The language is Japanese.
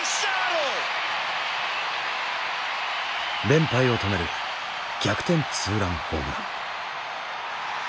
連敗を止める逆転ツーランホームラン。